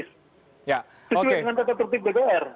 sesuai dengan tata tertib dpr